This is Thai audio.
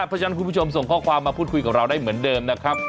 เพราะฉะนั้นคุณผู้ชมส่งข้อความมาพูดคุยกับเราได้เหมือนเดิมนะครับ